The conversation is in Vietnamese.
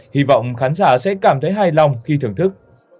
hy vọng khán giả sẽ cảm thấy hài lòng khi thưởng thức